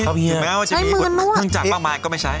ทุกวันนี้ถึงแม้ว่าจะมีใช้มือนั่วพึ่งจักรบางมายก็ไม่ใช้